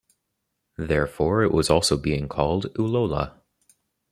Therefore, it was also being called "Ullola".